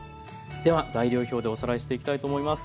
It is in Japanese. では材料表でおさらいしていきたいと思います。